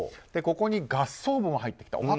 ここに合葬墓が入ってきた。